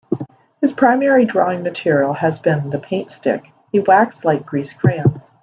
His primary drawing material has been the paintstick, a wax-like grease crayon.